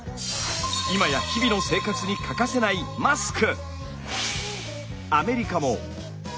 今や日々の生活に欠かせないマスク。